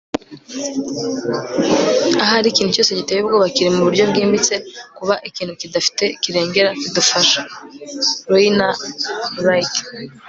ahari ikintu cyose giteye ubwoba kiri mu buryo bwimbitse kuba ikintu kidafite kirengera kidufasha. - rainer rilke